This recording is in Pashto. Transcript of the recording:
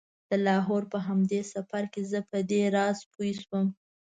د لاهور په همدې سفر کې زه په دې راز پوی شوم.